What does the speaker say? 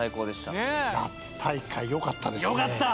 夏大会良かったですね。